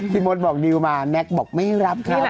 ที่หมดบอกดิวมาแม็กซ์บอกไม่ได้รับครับ